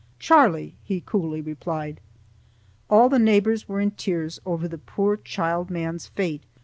"Charlie," he coolly replied. All the neighbors were in tears over the poor child man's fate.